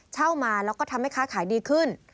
เช่ามาแล้วก็ทำให้ค้าขายดีขึ้น